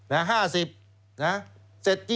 แล้วทอนมาเท่าไหร่